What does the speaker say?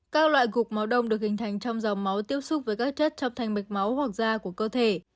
các loại gục máu đông được hình thành trong dòng máu tiếp xúc với các chất trong thành mạch máu hoặc da của cơ thể